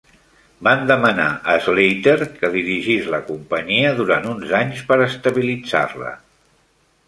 Van demanar a Slater que dirigís la companyia durant uns anys per estabilitzar-la.